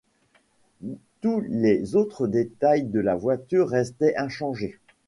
Tous les autres détails de la voiture restaient inchangés.